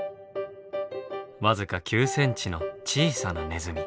僅か９センチの小さなネズミ。